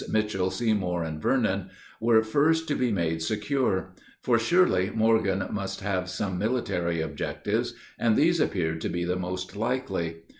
Mitchell, Seymour, and Vernon, were first to be made secure; for surely Morgan must have some military objectives, and these appeared to be the most likely.